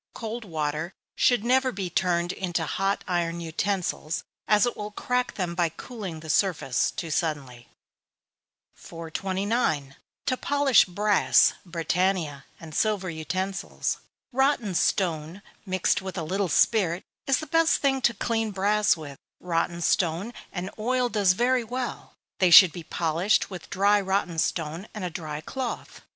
Cold water should never be turned into hot iron utensils, as it will crack them by cooling the surface too suddenly. 429. To polish Brass, Britannia, and Silver Utensils. Rotten stone, mixed with a little spirit, is the best thing to clean brass with: rotten stone and oil does very well. They should be polished with dry rotten stone, and a dry cloth.